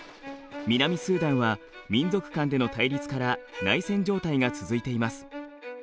南スーダンは民族間での対立から内戦状態が続いています。